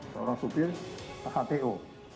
seorang supir hto